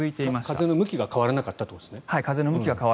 風の向きが変わらなかったということです。